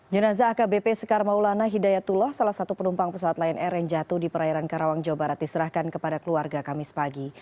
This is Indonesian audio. jenazah akbp sekar maulana hidayatullah salah satu penumpang pesawat lion air yang jatuh di perairan karawang jawa barat diserahkan kepada keluarga kamis pagi